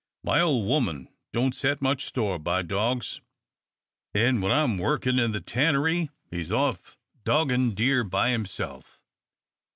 My ole woman don't set much store by dogs, an' when I'm workin' in the tannery he's off doggin' deer by himself.